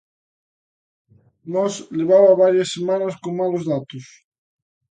Mos levaba varias semanas con malos datos.